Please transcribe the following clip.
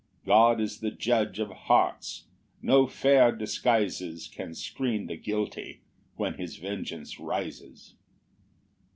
God is the judge of hearts; no fair disguises Can screen the guilty when his vengeance rises.